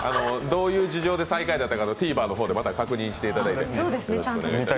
どういう事情で最下位だったかは、Ｔｖｅｒで確認していただいて。